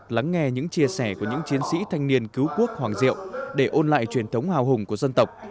lắng nghe những chia sẻ của những chiến sĩ thanh niên cứu quốc hoàng diệu để ôn lại truyền thống hào hùng của dân tộc